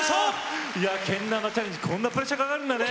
けん玉チャレンジ、こんなにプレッシャーがかかるんだね。